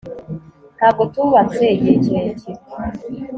ntabwo twubatse igihe kirekire